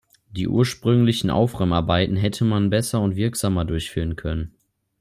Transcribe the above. Die ursprünglichen Aufräumarbeiten hätte man besser und wirksamer durchführen können.